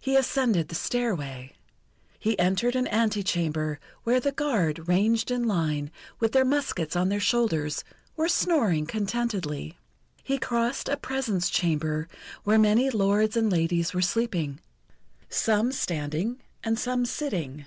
He ascended the stairway. He entered an antechamber, where the guard, ranged in line, with their muskets on their shoulders, were snoring contentedly. He crossed a presence chamber where many lords and ladies were sleeping, some standing and some sitting.